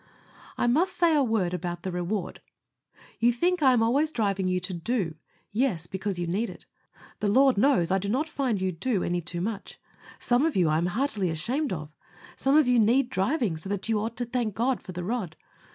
I must say a word about the reward. You think I am always driving you to do. Yes, because you need it. The Lord knows I do not find you do any too much. Some of you I am heartily ashamed of. Some of you need driving so that you ought to thank God for the rod.